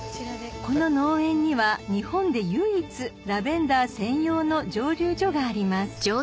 この農園には日本で唯一ラベンダー専用の蒸留所があります